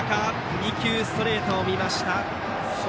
２球ストレートを見ました。